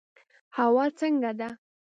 هوا څنګه ده؟